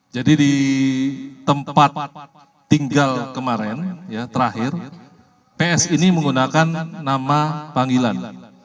jadi di tempat tinggal kemarin terakhir ps ini menggunakan nama panggilan